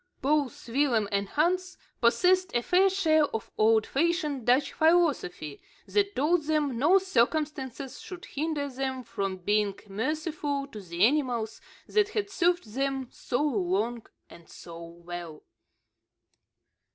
Both Willem and Hans possessed a fair share of old fashioned Dutch philosophy, that told them no circumstances should hinder them from being merciful to the animals that had served them so long and so well.